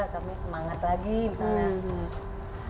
kami semangat lagi misalnya